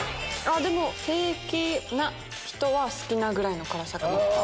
でも平気な人は好きなぐらいの辛さかも。